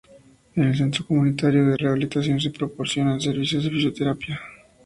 En el Centro Comunitario de Rehabilitación se proporcionan servicios de fisioterapia.